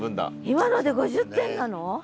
今ので５０点なの！？